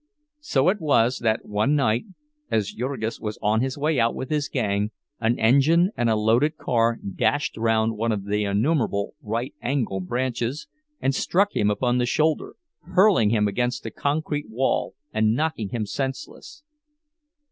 So it was that one night, as Jurgis was on his way out with his gang, an engine and a loaded car dashed round one of the innumerable right angle branches and struck him upon the shoulder, hurling him against the concrete wall and knocking him senseless.